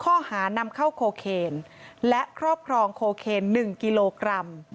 ข้อหานำเข้าโคเคนและครอบครองโคเคน๑กิโลกรัม